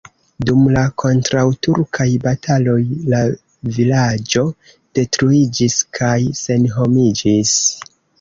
Dum la kontraŭturkaj bataloj la vilaĝo detruiĝis kaj senhomiĝis.